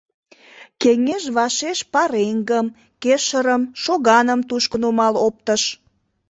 Кеҥеж вашеш пареҥгым, кешырым, шоганым тушко нумал оптыш.